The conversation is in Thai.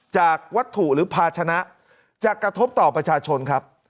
จากวัตถุหรือภาชนะจะกระทบต่อประชาชนครับ